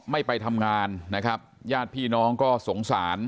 แบ่งเงินให้ใช้บ้างนะครับรู้ไหมก็ให้ผู้ตายมานวดให้ญาติแรกกับเงินเอาไปใช้จ่ายในชีวิตประจำวัน